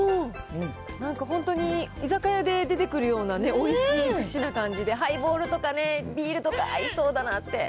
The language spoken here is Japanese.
なんか本当に居酒屋で出てくるような、おいしい串の感じで、ハイボールとかビールとか合いそうだなって。